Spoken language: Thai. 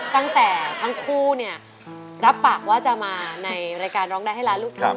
ตั้งแต่ทั้งคู่เนี่ยรับปากว่าจะมาในรายการร้องได้ให้ล้านลูกทุ่ง